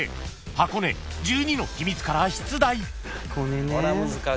［箱根１２の秘密から出題］